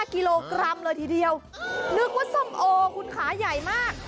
กิโลกรัมเลยทีเดียวนึกว่าส้มโอคุณขาใหญ่มาก